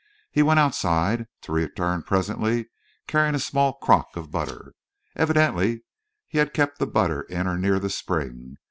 He went outside, to return presently carrying a small crock of butter. Evidently he had kept the butter in or near the spring.